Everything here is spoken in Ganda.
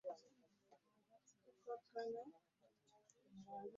Zzaala guba muze era muzibu okweggyamu.